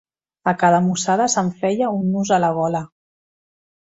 A cada mossada se'm feia un nus a la gola.